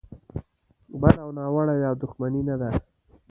بده او ناوړه یا دوښمني نه ده.